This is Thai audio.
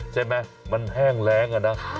ใช่ไหมมันแห้งแรงอะนะ